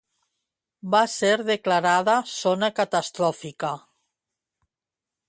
Va ser declarada zona catastròfica.